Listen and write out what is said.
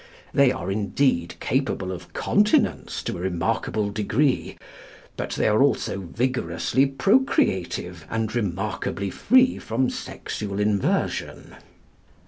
They are indeed capable of continence to a remarkable degree, but they are also vigorously procreative and remarkably free from sexual inversion.